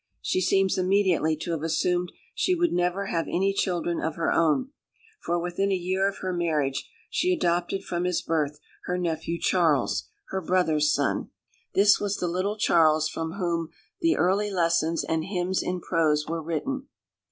She seems immediately to have assumed she would never have any children of her own, for within a year of her marriage she adopted from his birth her nephew Charles, her brother's son. This was the little Charles from whom The Early Lessons and Hymns in Prose were written.